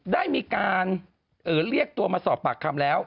ได้มีการเรียกตัวมาสอบปากคำแล้ว